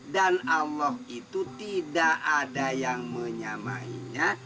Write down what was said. dan allah itu tidak ada yang menyamainya